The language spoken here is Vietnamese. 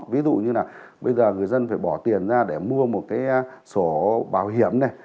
ví dụ như là bây giờ người dân phải bỏ tiền ra để mua một cái sổ bảo hiểm này